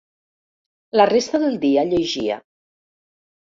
La resta del dia llegia.